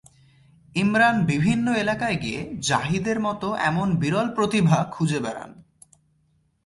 ইমরান বিভিন্ন এলাকায় গিয়ে জাহিদের মতো এমন বিরল প্রতিভা খুঁজে বেড়ান।